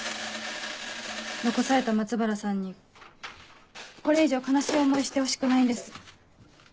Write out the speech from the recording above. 残された松原さんにこれ以上悲しい思いしてほしくないんです。